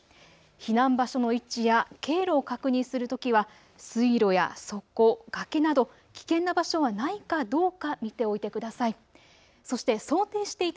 避難場所の位置や経路を確認するときは水路や側溝、崖など危険な場所はないかどうか見ておいてください。